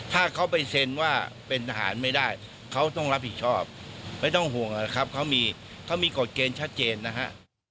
ถ้าเขาไปเซ็นว่าเป็นทหารไม่ได้เขาต้องรับผิดชอบไม่ต้องห่วงนะครับเขามีกฎเกณฑ์ชัดเจนนะฮะ